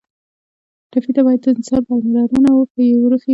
ټپي ته باید د انسان پاملرنه ور وښیو.